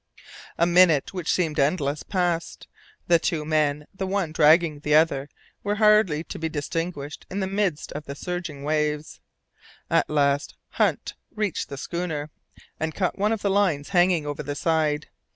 A minute, which seemed endless, passed. The two men, the one dragging the other, were hardly to be distinguished in the midst of the surging waves. At last Hunt reached the schooner, and caught one of the lines hanging over the side.